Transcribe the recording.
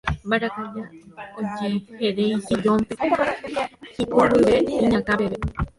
mbarakaja ojeheréi sillón-pe ipy guive iñakã peve